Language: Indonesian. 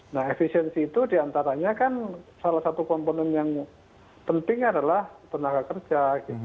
nah efisiensi itu diantaranya kan salah satu komponen yang penting adalah tenaga kerja